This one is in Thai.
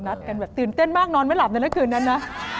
นัดกันตื่นเต้นมากนอนไม่หลับจนละคืนนั้นนะ